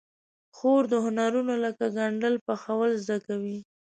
خور د هنرونو لکه ګنډل، پخول زده کوي.